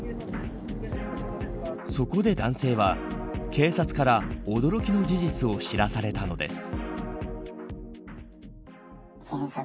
そこで男性は警察から驚きの事実を知らされたのです。